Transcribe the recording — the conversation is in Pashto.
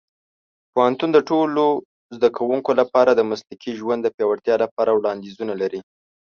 پوهنتون د ټولو زده کوونکو لپاره د مسلکي ژوند د پیاوړتیا لپاره وړاندیزونه لري.